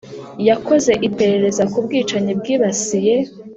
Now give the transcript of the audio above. yakoze iperereza ku bwicanyi bwibasiye